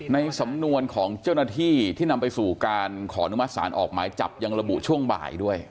ในสำนวนของเจ้าหน้าที่ที่นำไปสู่การขอนุมัติศาลออกหมายจับยังระบุช่วงบ่ายด้วย